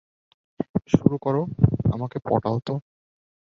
শুরু কর, আমাকে পটাও তো।